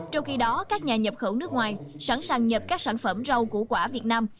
trong khi đó các nhà nhập khẩu nước ngoài sẵn sàng nhập các sản phẩm rau củ quả việt nam